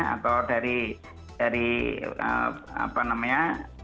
atau dari apa namanya